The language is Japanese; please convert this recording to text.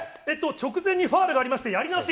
直前にファウルがありまして、やり直し。